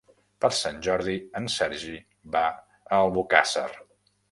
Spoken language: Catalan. Per Sant Jordi en Sergi va a Albocàsser.